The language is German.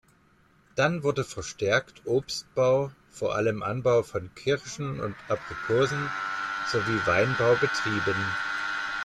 Dann wurde verstärkt Obstbau, vor allem Anbau von Kirschen und Aprikosen, sowie Weinbau betrieben.